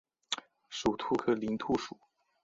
属兔科林兔属。